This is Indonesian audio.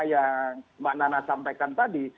yang mbak nana sampaikan tadi